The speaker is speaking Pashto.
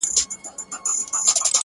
له ربابي سره شهباز ژړله؛